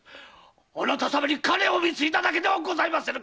⁉あなた様に金を貢いだだけではございませぬか‼